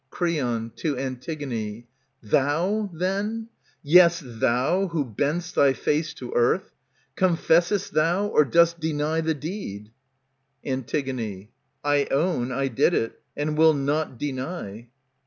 ^ Creon, [To Antigone.] Thou, then — yes, thou, who bend'st thy face to earth — Confessest thou, or dost deny the deed ? Antig. I own I did it, and will not deny.